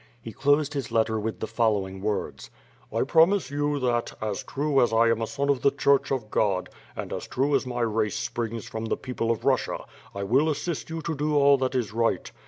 He closed his letter with the following words: "I promise you that, as true as I am a son of the Church of God, and as true as my race springs from the people of Russia, I will assist you to do all that is right.